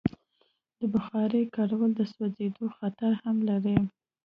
د بخارۍ کارول د سوځېدو خطر هم لري.